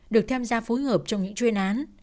được tham gia phối hợp trong những chuyên án